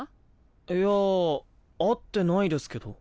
いや会ってないですけど。